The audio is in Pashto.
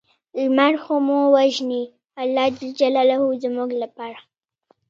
لمر خو مه وژنې الله ج زموږ لپاره